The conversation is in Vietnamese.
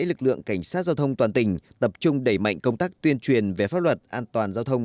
lực lượng cảnh sát giao thông toàn tỉnh tập trung đẩy mạnh công tác tuyên truyền về pháp luật an toàn giao thông